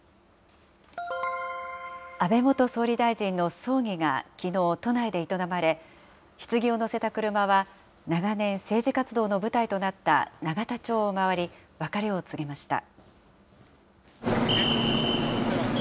安倍元総理大臣の葬儀がきのう、都内で営まれ、ひつぎを乗せた車は、長年、政治活動の舞台となった永田町を回り、別れを告げました。